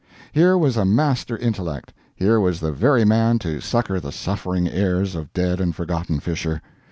Here was a master intellect; here was the very man to succor the suffering heirs of dead and forgotten Fisher.